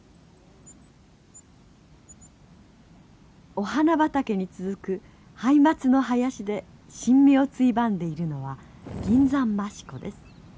お花畑に続くハイマツの林で新芽をついばんでいるのはギンザンマシコです。